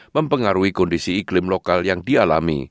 mempengaruhi kondisi iklim lokal yang dialami